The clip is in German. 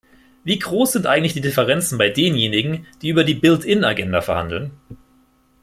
Wie groß sind eigentlich die Differenzen bei denjenigen, die über die "Built-in"Agenda verhandeln?